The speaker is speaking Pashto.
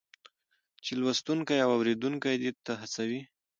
چې لوستونکی او اورېدونکی دې ته هڅوي